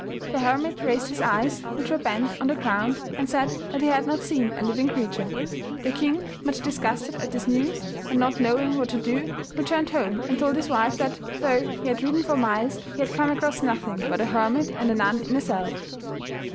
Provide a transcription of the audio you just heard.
The hermit raised his eyes, which were bent on the ground, and said that he had not seen a living creature. The king, much disgusted at this news, and not knowing what to do, returned home and told his wife that, though he had ridden for miles, he had come across nothing but a hermit and a nun in a cell.